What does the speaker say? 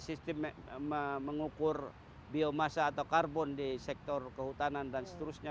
sistem mengukur biomasa atau karbon di sektor kehutanan dan seterusnya